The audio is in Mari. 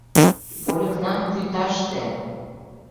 Вольыкна — вӱташте!